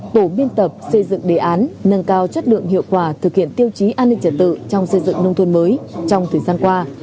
tổ biên tập xây dựng đề án nâng cao chất lượng hiệu quả thực hiện tiêu chí an ninh trật tự trong xây dựng nông thôn mới trong thời gian qua